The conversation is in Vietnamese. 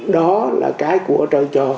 đó là cái của trời cho